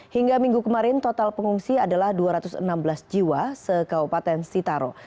hingga minggu kemarin total pengungsi adalah dua ratus enam belas jiwa sekaupaten sitaro